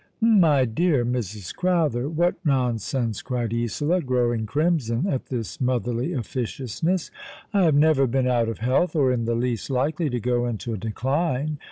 ''My dear Mrs. Crowther, what nonsense," cried Isola, growing crimson at this motherly officiousness. "I have never been out of health, or in the least likely to go into a decline.